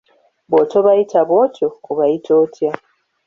Bw'otobayita bw'otyo obayita otya?